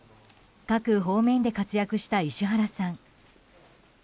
各方面で活躍した石原さん。